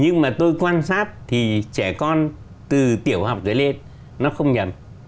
nhưng mà tôi quan sát thì trẻ con từ tiểu học trở lên nó không nhầm